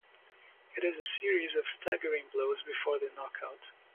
It is a series of staggering blows before the knockout.